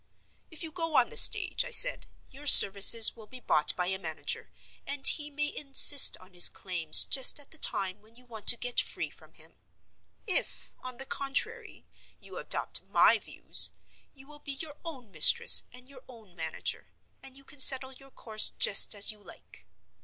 "If you go on the stage," I said, "your services will be bought by a manager, and he may insist on his claims just at the time when you want to get free from him. If, on the contrary, you adopt my views, you will be your own mistress and your own manager, and you can settle your course just as you like."